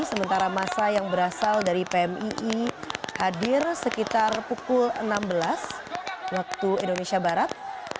sementara masa yang berasal dari pmii hadir sekitar pukul enam belas waktu indonesia barat